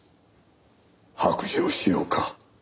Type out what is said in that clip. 白状しようか。